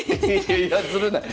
いやずるない。